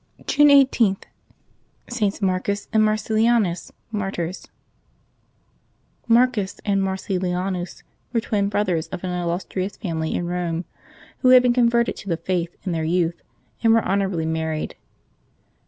June 18] LIVES OF THE SAINTS 221 June i8.— STS. MARCUS and MARCELLIANUS, Martyrs. yjXARCTJs AND Marcellianus were twin brothers of an >M illustrious family in Rome, who had been converted to the Faith in their youth and were honorably married.